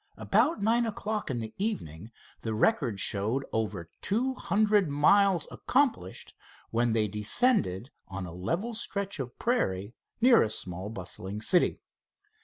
About nine o'clock in the evening the record showed over two hundred miles accomplished, when they descended on a level stretch of prairie near a small bustling city.